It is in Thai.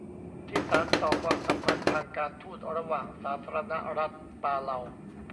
ที่สานต่อความสัมพันธ์ทางการฑูตระหว่างสาธารณรัฐปาเลา